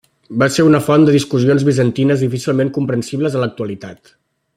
Va ser una font de discussions bizantines difícilment comprensibles en l'actualitat.